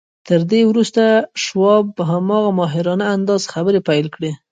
تر دې وروسته شواب په هماغه ماهرانه انداز خبرې پيل کړې.